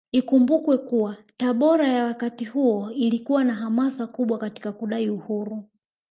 Ikumbukwe kuwa Tabora ya wakati huo ilikuwa na hamasa kubwa Katika kudai Uhuru